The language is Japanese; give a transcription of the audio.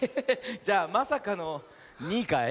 じゃあまさかの２いかい？